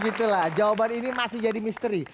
begitulah jawaban ini masih jadi misteri